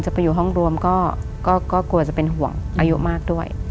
ไปอยู่ห้องรวมก็กลัวจะเป็นห่วงอายุมากด้วย